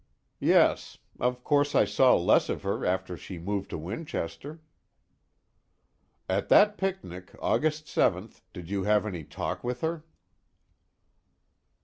"Yes. Of course I saw less of her after she moved to Winchester." "At that picnic, August 7th, did you have any talk with her?"